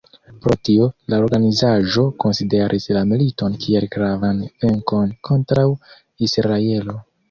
Pro tio, la organizaĵo konsideris la militon kiel gravan venkon kontraŭ Israelo.